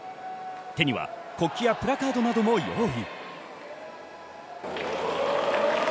手には国旗やプラカードなども用意。